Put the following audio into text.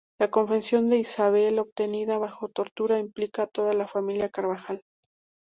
La confesión de Isabel, obtenida bajo tortura, implicó a toda la familia Carvajal.